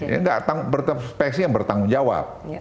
ini perspektif yang bertanggung jawab